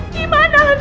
gimana dengan ibu